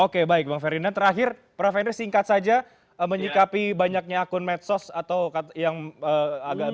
oke baik bung ferry dan terakhir prof henry singkat saja menyikapi banyaknya akun medsos atau yang agak